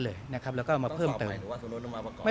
เหมือนคล้ายกันเลยนะครับแล้วก็มาเพิ่มเติม